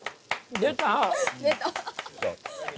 出た。